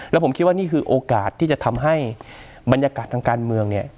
แล้วผมคิดว่านี่คือโอกาสที่จะทำให้บรรยากาศทางการเมืองเนี่ย